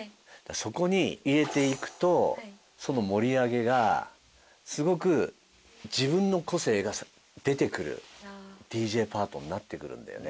そこに入れていくとその盛り上げがすごく自分の個性が出てくるＤＪパートになってくるんだよね。